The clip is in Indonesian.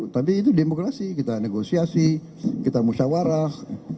tapi itu demokrasi kita negosiasi kita musyawarah